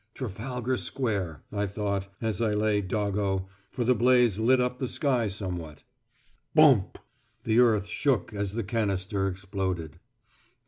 "Trafalgar Square," I thought, as I lay doggo, for the blaze lit up the sky somewhat. "Bomp." The earth shook as the canister exploded.